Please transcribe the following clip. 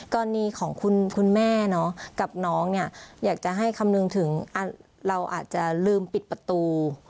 กรณีของคุณแม่กับน้องเนี่ยอยากจะให้คำนึงถึงเราอาจจะลืมปิดประตู